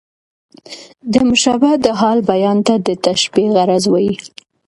د مشبه د حال بیان ته د تشبېه غرض وايي.